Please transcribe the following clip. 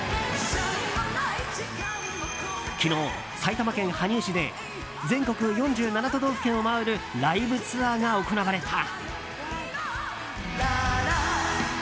昨日、埼玉県羽生市で全国４７都道府県を回るライブツアーが行われた。